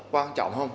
quan trọng không